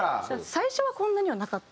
最初はこんなにはなかった。